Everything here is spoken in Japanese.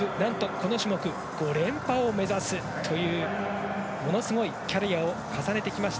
この種目５連覇を目指すというものすごいキャリアを重ねてきました。